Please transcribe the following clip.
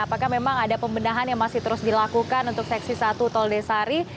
apakah memang ada pembendahan yang masih terus dilakukan untuk seksi satu tol desari